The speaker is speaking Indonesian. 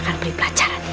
kamu bisa belajar tari